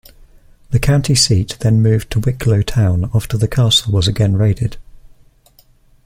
The county seat then moved to Wicklow town after the castle was again raided.